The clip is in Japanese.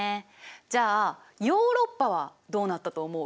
じゃあヨーロッパはどうなったと思う？